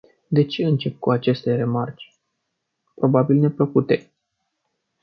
De ce încep cu aceste remarce, probabil neplăcute?